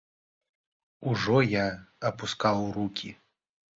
Ужо я апускаў рукі.